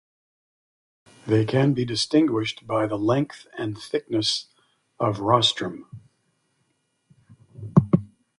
They can be distinguished by the length and thickness of rostrum.